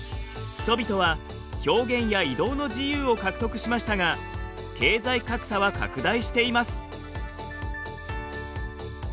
人々は表現や移動の自由を獲得しましたが経済格差は拡大しています。